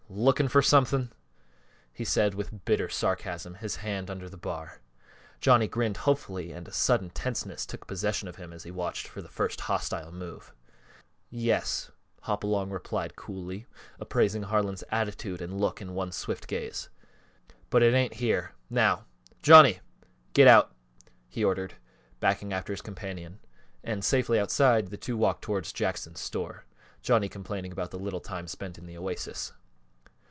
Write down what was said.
"Lookin' fer something?" he asked with bitter sarcasm, his hands under the bar. Johnny grinned hopefully and a sudden tenseness took possession of him as he watched for the first hostile move. "Yes," Hopalong replied coolly, appraising Harlan's attitude and look in one swift glance, "but it ain't here, now. Johnny, get out," he ordered, backing after his companion, and safely outside, the two walked towards Jackson's store, Johnny complaining about the little time spent in the Oasis.